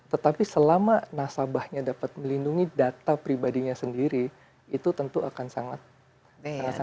tetapi selama nasabahnya dapat melindungi data pribadinya sendiri itu tentu akan sangat sangat